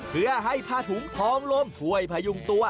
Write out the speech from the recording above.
เพื่อให้ผ้าถุงทองลมช่วยพยุงตัว